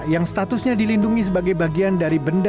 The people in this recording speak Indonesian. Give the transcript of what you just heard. yang statusnya dilindungi sebagai bagian dari masjid tua